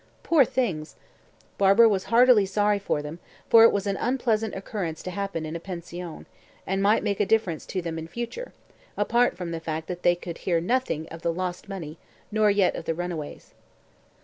Poor things! Barbara was heartily sorry for them, for it was an unpleasant occurrence to happen in a pension, and might make a difference to them in future, apart from the fact that they could hear nothing of the lost money, nor yet of the runaways.